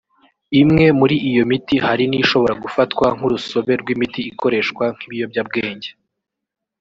Imwe muri iyo miti hari n’ishobora gufatwa nk’urusobe rw’imiti ikoreshwa nk’ibiyobyabwenge